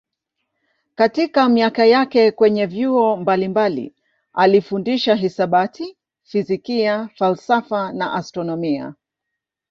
Katika miaka yake kwenye vyuo mbalimbali alifundisha hisabati, fizikia, falsafa na astronomia.